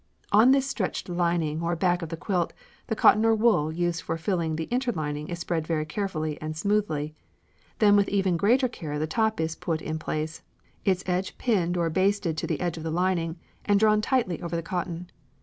On this stretched lining or back of the quilt, the cotton or wool used for filling or interlining is spread very carefully and smoothly; then with even greater care the top is put in place, its edge pinned or basted to the edge of the lining, and drawn tightly over the cotton.